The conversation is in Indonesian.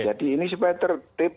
jadi ini supaya tertip